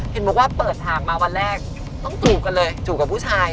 เห็นบอกว่าเปิดฉากมาวันแรกต้องจูบกันเลยจูบกับผู้ชาย